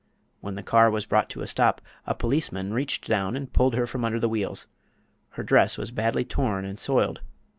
When the car was brought to a stop a policeman reached down and pulled her from under the wheels. Her dress was badly torn and soiled.